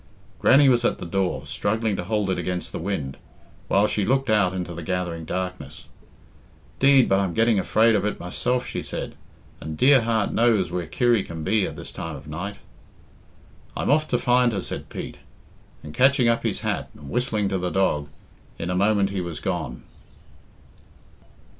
Grannie was at the door, struggling to hold it against the wind, while she looked out into the gathering darkness. "'Deed, but I'm getting afraid of it myself," she said, "and dear heart knows where Kirry can be at this time of night." "I'm off to find her," said Pete, and, catching up his hat and whistling to the dog, in a moment he was gone.